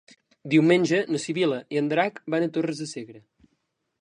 Diumenge na Sibil·la i en Drac van a Torres de Segre.